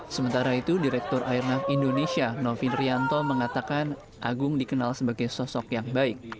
sementara itu direktur airnav indonesia novin rianto mengatakan agung dikenal sebagai sosok yang baik